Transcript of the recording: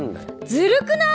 ずるくない？